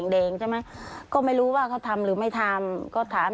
ยังไงคะดื้อแบบไหนคะพี่ยาย